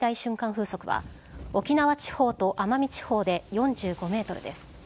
風速は沖縄地方と奄美地方で４５メートルです。